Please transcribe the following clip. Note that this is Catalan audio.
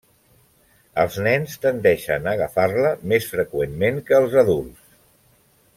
Els nens tendeixen a agafar-la més freqüentment que els adults.